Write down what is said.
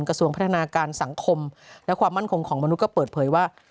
กระทรวงพัฒนาการสังคมและความมั่นคงของมนุษย์ก็เปิดเผยว่า